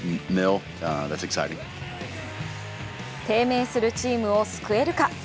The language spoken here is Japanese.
低迷するチームを救えるか。